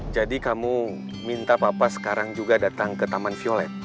jadi kamu minta papa sekarang juga datang ke taman violet